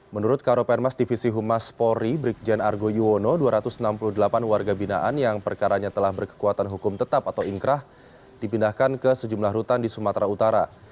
menurut karo permas divisi humas polri brikjen argo yuwono dua ratus enam puluh delapan warga binaan yang perkaranya telah berkekuatan hukum tetap atau ingkrah dipindahkan ke sejumlah rutan di sumatera utara